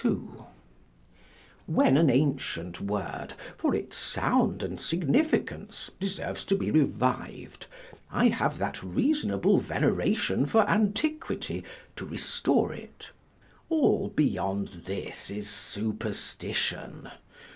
When an ancient word for its sound and significance deserves to be reviv'd, I have that reasonable veneration for antiquity, to restore it. All beyond this is superstition.